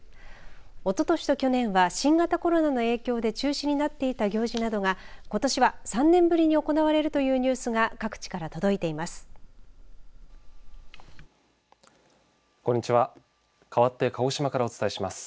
おととしと去年は新型コロナの影響で中止になっていた行事などがことしは３年ぶりに行われるというニュースが各地から届いています。